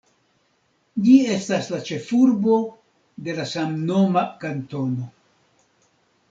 Ĝi estas la ĉefurbo de la samnoma kantono.